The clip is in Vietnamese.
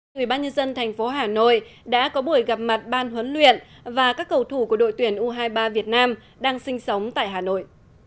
người bán nhân dân thành phố hà nội đã có buổi gặp mặt ban huấn luyện và các cầu thủ của đội tuyển u hai mươi ba việt nam đang sinh sống tại hà nội